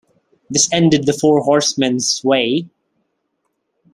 This ended the Four Horsemen's sway.